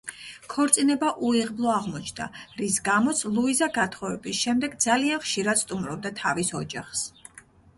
ქორწინება უიღბლო აღმოჩნდა, რის გამოც ლუიზა გათხოვების შემდეგ ძალიან ხშირად სტუმრობდა თავის ოჯახს.